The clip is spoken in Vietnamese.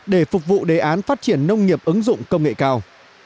để phục vụ đề án phát triển nông nghiệp ứng dụng công nghệ cao